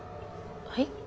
はい？